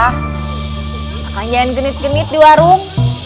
akan jangan genit genit di warung